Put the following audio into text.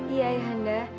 iya ihan dan